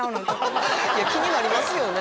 気になりますよね。